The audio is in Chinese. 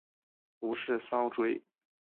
无饰蚤缀